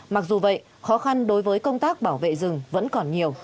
mặc dù vậy khó khăn đối với công tác bảo vệ rừng vẫn còn nhiều